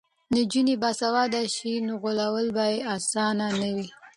که نجونې باسواده شي نو غولول به یې اسانه نه وي.